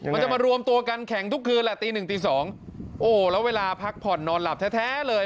มันจะมารวมตัวกันแข่งทุกคืนแหละตีหนึ่งตีสองโอ้แล้วเวลาพักผ่อนนอนหลับแท้เลย